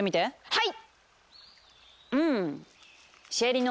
はい！